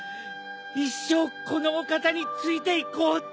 一生このお方についていこうって！